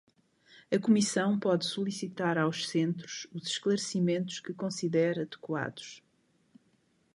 A Comissão pode solicitar aos centros os esclarecimentos que considere adequados.